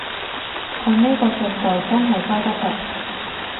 按呢個進度真係收得皮